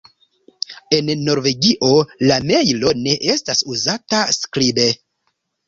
En Norvegio la mejlo ne estas uzata skribe.